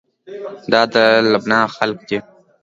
دا د لبنان خلق دي.